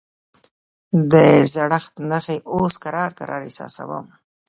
د زړښت نښې اوس کرار کرار احساسوم.